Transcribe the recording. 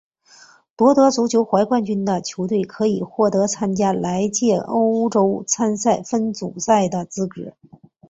夺得足总杯冠军的球队可以获得参加来届欧洲联赛分组赛的资格。